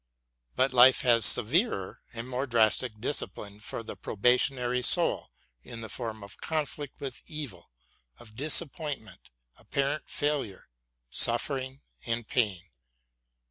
But life has severer and more drastic discipline for the probationary soul in the form of conflict with evil, of disappointment, apparent failure, suflFering and pain.